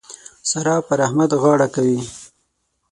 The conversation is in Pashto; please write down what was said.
سارا پر احمد غاړه کوي.